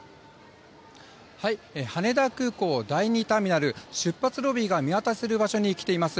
羽田空港第２ターミナル出発ロビーが見渡せる場所に来ています。